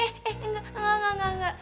eh eh eh enggak enggak enggak enggak enggak